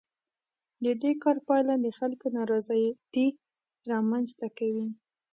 د دې کار پایله د خلکو نارضایتي رامنځ ته کوي.